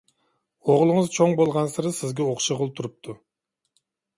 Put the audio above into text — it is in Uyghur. ئوغلىڭىز چوڭ بولغانسېرى سىزگە ئوخشىغىلى تۇرۇپتۇ.